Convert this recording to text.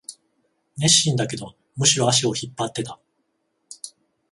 熱心だけど、むしろ足を引っ張ってた